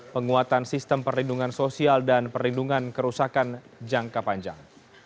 penguatan sistem perlindungan sosial dan perlindungan kerusakan jangka panjang